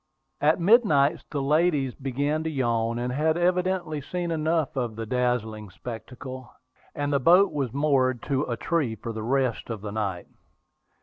At midnight, the ladies began to yawn, and had evidently seen enough of the dazzling spectacle; and the boat was moored to a tree for the rest of the night.